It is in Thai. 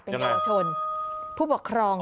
เป็นเยาวชนผู้ปกครอง